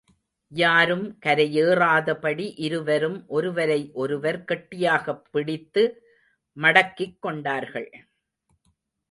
யாரும் கரையேறாதபடி இருவரும் ஒருவரை ஒருவர் கெட்டியாகப் பிடித்து மடக்கிக் கொண்டார்கள்.